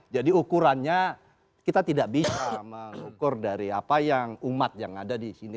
jadi ukurannya kita tidak bisa mengukur dari apa yang umat yang ada di sini